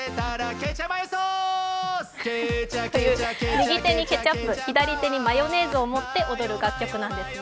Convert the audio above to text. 右手にケチャップ、左手にマヨネーズを持って踊る楽曲なんですね。